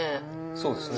そうですね。